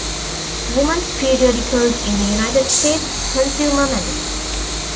"Women's Periodicals in the United States: Consumer Magazines".